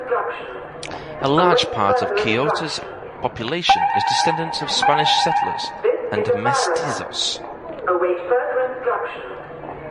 A large part of Quillota's population is descendants of Spanish settlers and Mestizos.